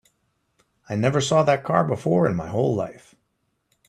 I never saw that car before in my whole life.